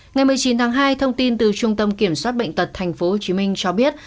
ngày một mươi chín tháng hai thông tin từ trung tâm kiểm soát bệnh tật tp hcm cho biết